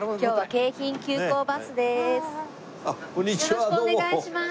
よろしくお願いします！